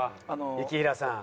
雪平さん。